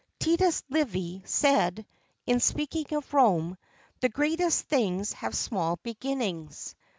Titus Livy said, in speaking of Rome, "The greatest things have small beginnings."